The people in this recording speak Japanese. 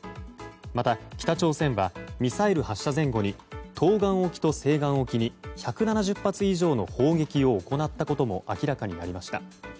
また北朝鮮はミサイル発射前後に東岸沖と西岸沖に１７０発以上の砲撃を行ったことも明らかになりました。